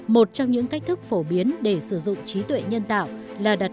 một trong những cách thức phổ biến để sử dụng trí tuệ nhân tạo là đặt